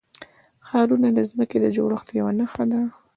ښارونه د ځمکې د جوړښت یوه نښه ده.